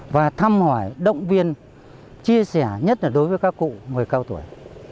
và thăm hỏi động viên chia sẻ nhất là đối với các cụ người cao tuổi